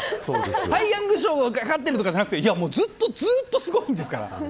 サイ・ヤング賞がかかってるとかじゃなくて、ずっとずっとすごいんですから。